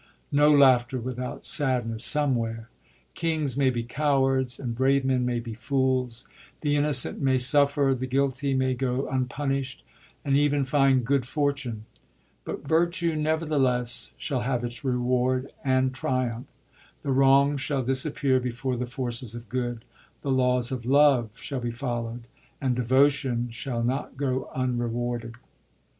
No laughter without sadness somewhere; kings may be cowards, and brave men may be fools ; the innocent may suffer ; the guilty may go unpunisht, and even find good fortune : but virtue, nevertheless, shall have its reward, and triumph ; the wrong shall disappear before the forces of good ; the laws of love shall be followd, and devotion shall not go unrewarded.